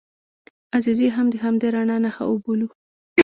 عزیزي هم د همدې رڼا نښه وبولو.